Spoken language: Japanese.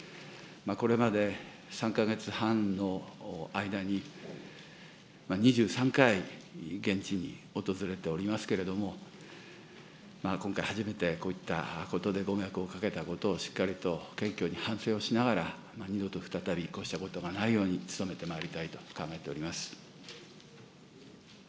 これまで３か月半の間に、２３回、現地に訪れておりますけれども、今回初めてこういったことでご迷惑をかけたことを、しっかりと謙虚に反省をしながら、二度と再びこうしたことがないように努めてまいりたいと考えております。